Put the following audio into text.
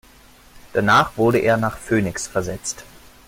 Danach wurde er nach Phoenix versetzt.